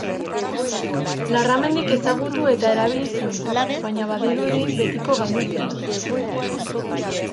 Larramendik ezagutu eta erabili zuen, baina badirudi betiko galdu zela.